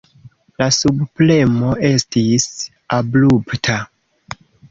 La subpremo estis abrupta.